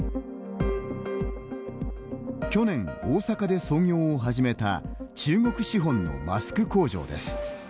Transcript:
去年、大阪で操業を始めた中国資本のマスク工場です。